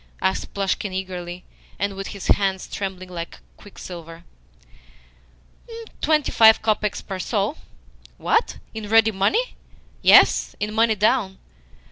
asked Plushkin eagerly, and with his hands trembling like quicksilver. "Twenty five kopecks per soul." "What? In ready money?" "Yes in money down."